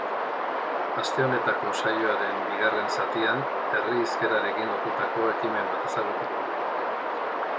Aste honetako saioaren bigarren zatian, herri hizkerarekin lotutako ekimen bat ezagutuko dugu.